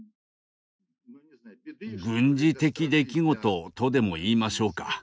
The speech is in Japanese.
「軍事的出来事」とでも言いましょうか。